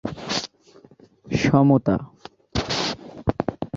মসজিদটির অনন্য আধুনিকতার মধ্যে অন্যতম হচ্ছে নকশা এবং ইসলামী শিল্পকলার একটি সমকালীন নিদর্শন।